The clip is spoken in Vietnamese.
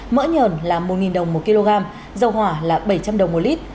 mỡ nhờn là một đồng một kg dầu hỏa là bảy trăm linh đồng một lít